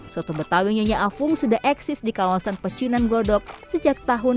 soto betawi nyonya afung sudah eksis di kawasan pecinan glodok sejak tahun seribu sembilan ratus delapan puluh dua